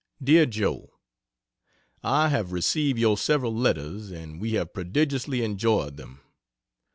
DEAR JOE, .....I have received your several letters, and we have prodigiously enjoyed them.